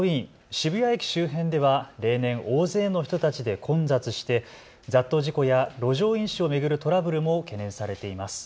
渋谷駅周辺では例年、大勢の人たちで混雑して雑踏事故や路上飲酒を巡るトラブルも懸念されています。